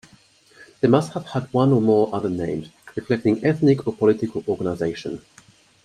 They must have had one or more other names, reflecting ethnic or political organization.